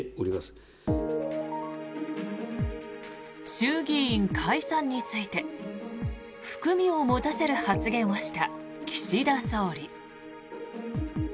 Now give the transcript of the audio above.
衆議院解散について含みを持たせる発言をした岸田総理。